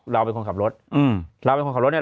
เราเป็นคนขับรถอืมเราเป็นคนขับรถเนี่ย